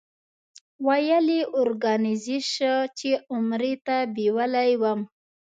ویل یې اورګنایزیش چې عمرې ته بېولې وم.